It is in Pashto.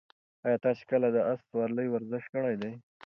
ایا تاسي کله د اس سورلۍ ورزش کړی دی؟